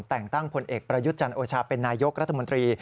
แต่งตั้งผลเอกประยุทธ์จันทร์โอชาเป็นนายกรัฐมนตรี